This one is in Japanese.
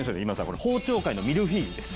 これ包丁界のミルフィーユです。